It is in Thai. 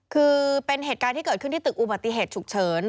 คือเป็นเหตุการณ์ที่เกิดขึ้นที่ตึกอุบัติเหตุฉุกเฉิน